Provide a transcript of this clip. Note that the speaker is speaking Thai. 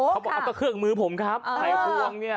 เขาบอกเอาก็เครื่องมือผมครับไข่พวงเนี่ย